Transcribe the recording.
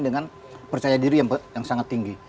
dengan percaya diri yang sangat tinggi